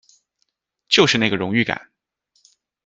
就是那个荣誉感